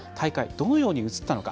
どのように映ったのか。